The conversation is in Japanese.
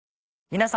皆様。